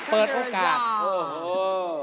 เปิดโอกาส